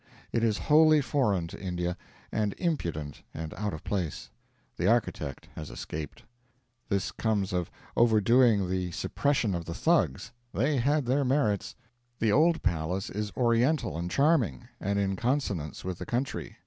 It is wholly foreign to India, and impudent and out of place. The architect has escaped. This comes of overdoing the suppression of the Thugs; they had their merits. The old palace is oriental and charming, and in consonance with the country.